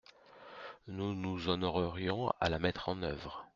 Nous nous honorerions à la mettre en œuvre.